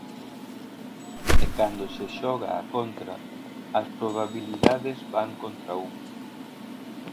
E cando se xoga á contra, as probabilidades van contra un.